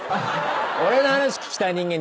俺の話聞きたい人間